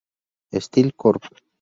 Steel Corp.